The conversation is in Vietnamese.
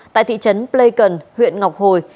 tại thị trấn pleikon huyện ngọc hồi